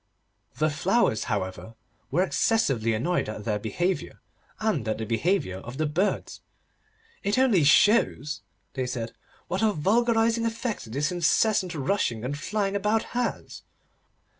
The Flowers, however, were excessively annoyed at their behaviour, and at the behaviour of the birds. 'It only shows,' they said, 'what a vulgarising effect this incessant rushing and flying about has.